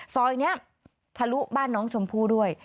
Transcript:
ซอยนี้ทะลุบ้านน้องชมพู่ด้วย